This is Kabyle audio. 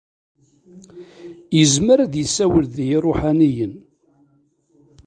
Yezmer ad yessiwel ed yiṛuḥaniyen.